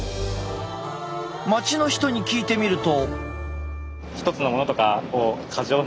街の人に聞いてみると。